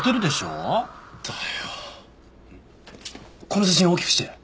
この写真大きくして！